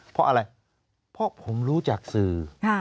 เพราะอะไรเพราะผมรู้จากสื่อ